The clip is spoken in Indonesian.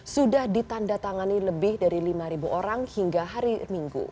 sudah ditandatangani lebih dari lima orang hingga hari minggu